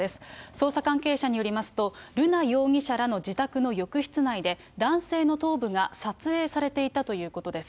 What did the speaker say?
捜査関係者によりますと、瑠奈容疑者らの自宅の浴室内で、男性の頭部が撮影されていたということです。